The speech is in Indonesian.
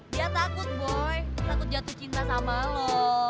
dia takut boy takut jatuh cinta sama lo